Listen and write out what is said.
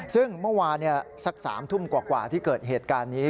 ซึ่งเมื่อวานสัก๓ทุ่มกว่าที่เกิดเหตุการณ์นี้